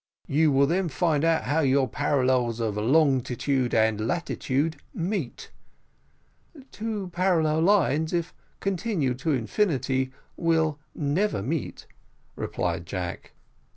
"You will then find out how your parallels of longitude and latitude meet." "Two parallel lines, if continued to infinity, will never meet," replied Jack.